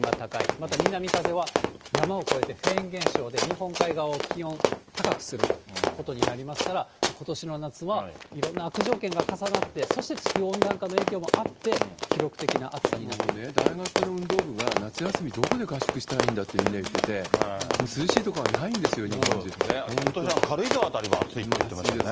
また南風は山を越えてフェーン現象で、日本海側を気温高くすることになりますから、ことしの夏はいろんな悪条件が重なって、そして地球温暖化の影響もあって、もうね、大学の運動部が夏休み、どこで合宿したらいいんだってみんな言ってて、そうですね、ことし、軽井沢辺りも暑いって言ってましたね。